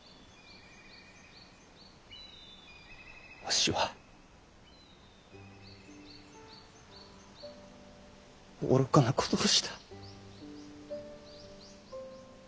わしは愚かなことをした。